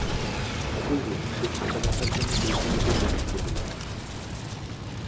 অপূর্ব সে খাঁচা দেখার জন্য দেশ-বিদেশের লোক ঝুঁকে পড়ল।